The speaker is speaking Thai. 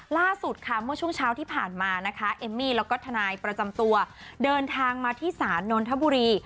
ล่าสุดค่ะเมื่อช่วงเช้าที่ผ่านมานะคะเอมมี่แล้วก็ทนายประจำตัวเดินทางมาที่ศาลนนทบุรี